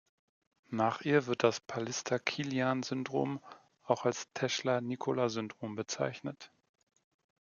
Nach ihr wird das Pallister-Killian-Syndrom auch als "Teschler-Nicola-Syndrom" bezeichnet.